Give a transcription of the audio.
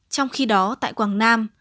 trong khi đó tại quảng nam